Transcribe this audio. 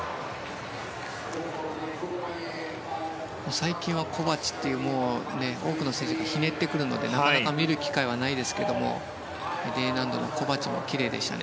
最近はコバチっていう多くの選手がひねってくるのでなかなか見る機会はないですけどＤ難度のコバチもきれいでした。